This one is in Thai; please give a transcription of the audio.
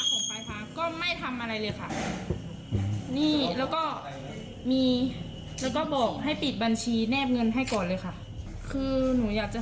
ทำไมไม่ได้รับความเชื่อเหลืออะไรเลย